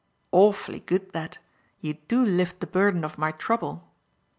"Awfully good that you do lift the burden of my trouble!"